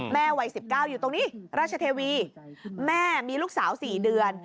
วัย๑๙อยู่ตรงนี้ราชเทวีแม่มีลูกสาว๔เดือน